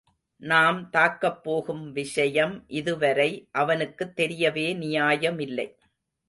நாம் தாக்கப் போகும் விஷயம் இதுவரை அவனுக்குத் தெரியவே நியாயமில்லை.